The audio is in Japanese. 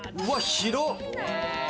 広っ！